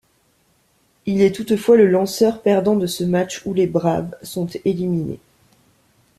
Il est toutefois le lanceur perdant de ce match, où les Braves sont éliminés.